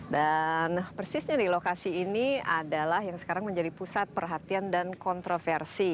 dan persisnya di lokasi ini adalah yang sekarang menjadi pusat perhatian dan kontroversi